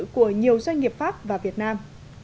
của nhiều doanh nghiệp pháp và việt nam